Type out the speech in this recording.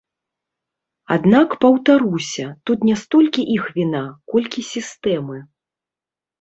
Аднак, паўтаруся, тут не столькі іх віна, колькі сістэмы.